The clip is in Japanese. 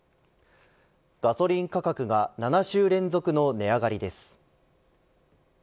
ガソリン価格が７週連続の値上がりです。